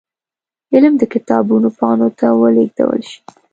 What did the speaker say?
علم د کتابونو پاڼو ته ولېږدول شي.